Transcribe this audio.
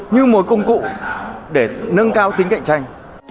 như một công cụ để nâng cao tính cạnh tranh